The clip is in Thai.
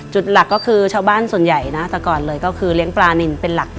หลักก็คือชาวบ้านส่วนใหญ่นะแต่ก่อนเลยก็คือเลี้ยงปลานินเป็นหลัก